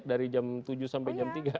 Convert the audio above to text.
dari jam tujuh sampai jam tiga